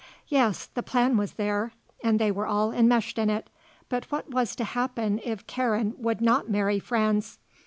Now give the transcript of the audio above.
Yes; the plan was there and they were all enmeshed in it; but what was to happen if Karen would not marry Franz?